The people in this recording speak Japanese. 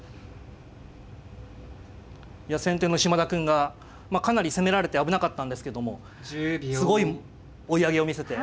先手の嶋田くんがかなり攻められて危なかったんですけどもすごい追い上げを見せて。